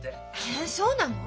えっそうなの？